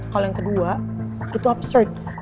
kalau yang kedua itu upsearch